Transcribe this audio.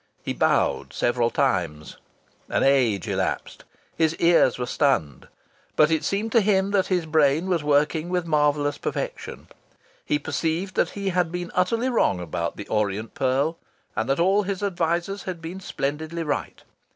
He bowed several times. An age elapsed. His ears were stunned. But it seemed to him that his brain was working with marvellous perfection. He perceived that he had been utterly wrong about "The Orient Pearl." And that all his advisers had been splendidly right.